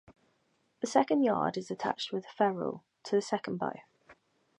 The second yard is attached with a ferrule to the second bow.